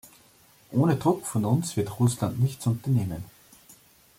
Ohne Druck von uns wird Russland nichts unternehmen.